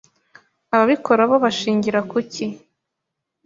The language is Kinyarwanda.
Ababikora bo bashingira ku ki